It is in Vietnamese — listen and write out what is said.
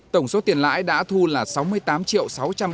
tổng số tiền lãi đã thu là sáu mươi tám sáu trăm bảy mươi năm triệu